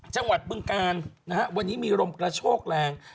จังหวัดปรึงการนะครับวันนี้มีลมกระโชคแรง